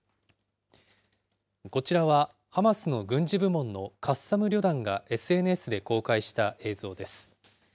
こちらはハマスの軍事部門のカッサム旅団がＳＮＳで公開した映像です。